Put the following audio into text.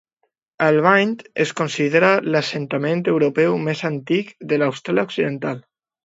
Albany es considera l'assentament europeu més antic de l'Austràlia occidental.